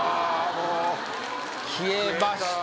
もう消えました